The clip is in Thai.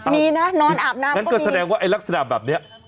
มีนะนอนอาบน้ำงั้นก็แสดงว่าไอ้ลักษณะแบบนี้